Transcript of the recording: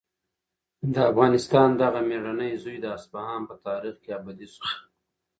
د افغانستان دغه مېړنی زوی د اصفهان په تاریخ کې ابدي شو.